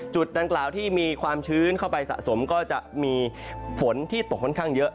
จุดดังกล่าวที่มีความชื้นเข้าไปสะสมก็จะมีฝนที่ตกค่อนข้างเยอะ